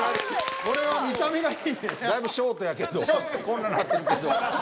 こんななってるけど。